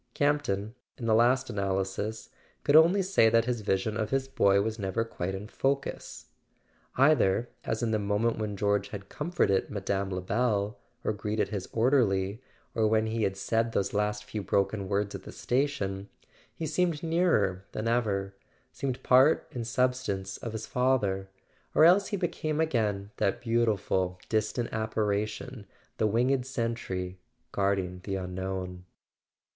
Campton, in the last analysis, could only say that his vision of his boy was never quite in focus. Either— as in the moment when George had comforted Mme. Lebel, or greeted his orderly, or when he had said those last few broken words at the station—he seemed nearer than ever, seemed part and substance of his father; or else he became again that beautiful distant apparition, the winged sentry guarding the Unknown.